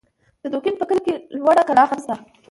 د دوکین په کلي کې لوړه کلا هم سته